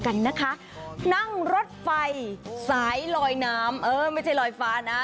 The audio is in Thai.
กันนะคะนั่งรถไฟสายลอยน้ำเออไม่ใช่ลอยฟ้านะ